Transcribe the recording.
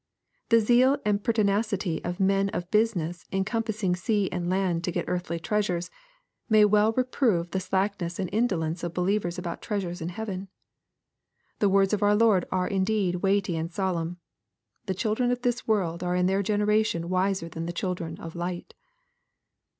The zeal and pertinacity of men of business in compassing sea and land to get earthly treasures, may well reprove the slack ness and indolence of believers about treasures in heaven. The words of our Lord are indeed weighty and solemn, " The children of this world are in their generation wiser than the children of light.''